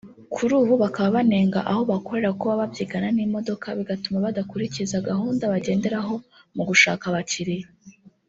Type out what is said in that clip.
Kuri ubu bakaba banenga aho bakorera kuko baba babyigana n’ imodoka bigatuma badakurikiza gahunda bagenderaho mu gushaka abakiriya